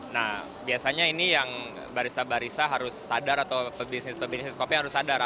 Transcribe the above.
nah biasanya barista barista atau pebisnis kopi harus sadar